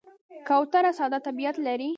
کوتره ساده طبیعت لري.